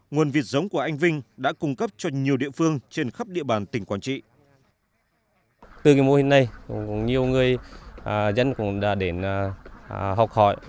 nguồn vịt giống của anh vinh đã cung cấp cho nhiều địa phương trên khắp địa bàn tỉnh quảng trị